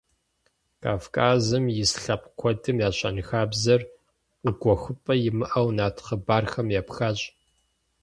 Кавказым ис лъэпкъ куэдым я щэнхабзэр къыгуэхыпӀэ имыӀэу нарт хъыбархэм епхащ.